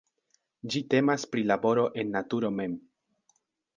Ĝi temas pri laboro en naturo mem.